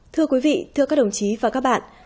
thưa quý vị thưa các đồng chí và các bạn